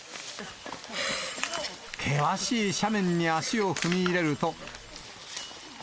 険しい斜面に足を踏み入れると。